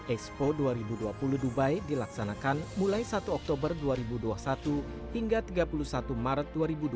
expo dua ribu dua puluh dubai dilaksanakan mulai satu oktober dua ribu dua puluh satu hingga tiga puluh satu maret dua ribu dua puluh